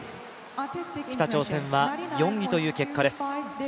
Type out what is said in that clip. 北朝鮮は、４位という結果です。